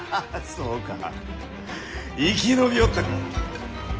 そうか生き延びおったか。